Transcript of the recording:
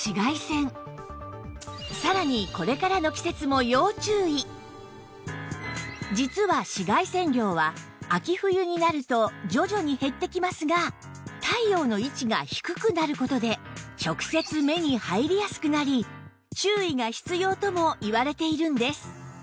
さらに実は紫外線量は秋冬になると徐々に減ってきますが太陽の位置が低くなる事で直接目に入りやすくなり注意が必要ともいわれているんです